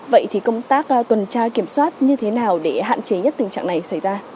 vậy thì công tác tuần tra kiểm soát như thế nào để hạn chế nhất tình trạng này xảy ra